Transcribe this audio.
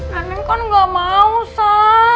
nenek kan gak mau sa